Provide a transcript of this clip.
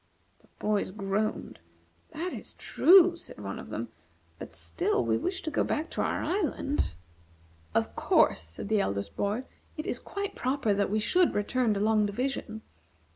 The boys groaned. "That is true," said one of them; "but still we wish to go back to our island." "Of course," said the eldest boy, "it is quite proper that we should return to Long Division.